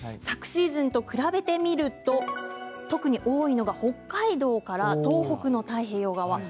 昨シーズンと比べてみると特に多いのが北海道から東北の太平洋側。